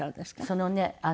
そのね